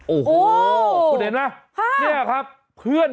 โอ้โหคุณเห็นนะค่ะเนี่ยครับเพื่อนบางคน